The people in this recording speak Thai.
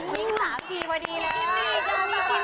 มิ้งสางกีพอดีเลย